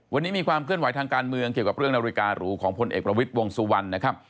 วันนี้มีความเคลื่อนไหวทางการเมืองเกี่ยวกับเรื่องนาฬิการูของพลเอกประวิทย์วงสุวรรณนะครับ